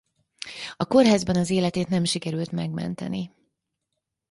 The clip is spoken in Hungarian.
A kórházban az életét nem sikerült megmenteni.